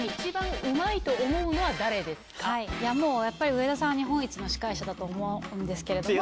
上田さんは日本一の司会者だと思うんですけれども。